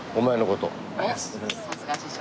さすが師匠。